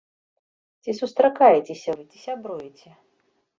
Ці сустракаецеся вы, ці сябруеце?